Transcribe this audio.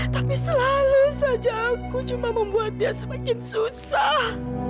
tapi selalu saja aku cuma membuat dia semakin susah